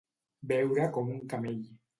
Beure com un camell.